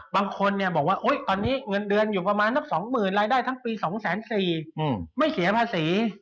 บางคนบอกว่าตอนนี้เงินเดือนอยู่ประมาณสัก๒๐๐๐รายได้ทั้งปี๒๔๐๐ไม่เสียภาษี